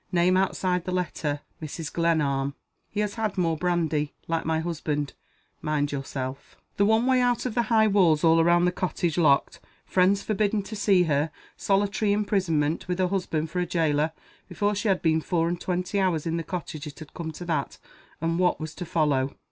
Name outside the letter, Mrs. Glenarm. He has had more brandy. Like my husband. Mind yourself." The one way out of the high walls all round the cottage locked. Friends forbidden to see her. Solitary imprisonment, with her husband for a jailer. Before she had been four and twenty hours in the cottage it had come to that. And what was to follow?